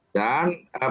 dan perubahan itu